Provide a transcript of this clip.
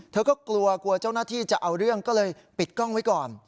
เธอก็กลัวกลัวเจ้าหน้าที่จะเอาเรื่องก็เลยปิดกล้องไว้ก่อน